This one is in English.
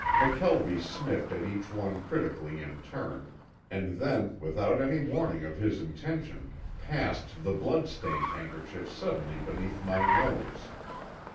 McKelvie sniffed at each one critically in turn, and then without any warning of his intention, passed the blood stained handkerchief suddenly beneath my nose.